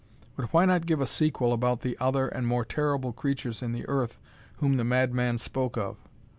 But why not give a sequel about the other and more terrible creatures in the earth whom the madman spoke of?